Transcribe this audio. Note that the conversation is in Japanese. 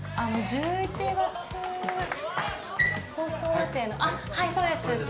１１月放送予定のはい、そうです。